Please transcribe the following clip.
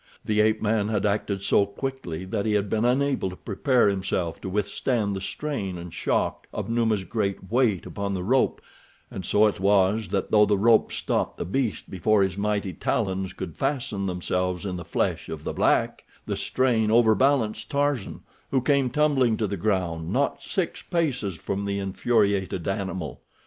The ape man had acted so quickly that he had been unable to prepare himself to withstand the strain and shock of Numa's great weight upon the rope, and so it was that though the rope stopped the beast before his mighty talons could fasten themselves in the flesh of the black, the strain overbalanced Tarzan, who came tumbling to the ground not six paces from the infuriated animal.